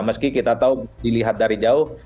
meski kita tahu dilihat dari jauh